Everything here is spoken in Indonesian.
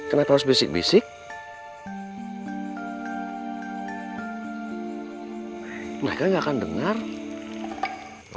itu namanya memaksa